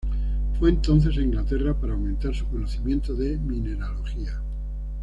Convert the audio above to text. Fue entonces a Inglaterra para aumentar su conocimiento de mineralogía.